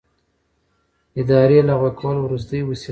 اداري لغوه کول وروستۍ وسیله ده.